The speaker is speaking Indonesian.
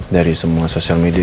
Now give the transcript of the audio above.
dari semua sosial media